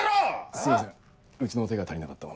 すいませんうちの手が足りなかったもので。